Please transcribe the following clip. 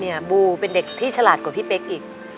บูเป็นเด็กที่ฉลาดกว่าพี่เป๊กอีก